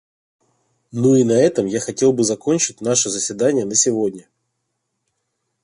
Ну и на этом я хотел бы закончить наше заседание на сегодня.